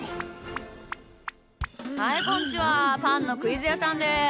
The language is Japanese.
はいこんちはパンのクイズやさんです。